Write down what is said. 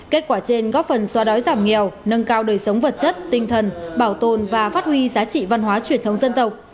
kết quả trên góp phần xoa đói giảm nghèo nâng cao đời sống vật chất tinh thần bảo tồn và phát huy giá trị văn hóa truyền thống dân tộc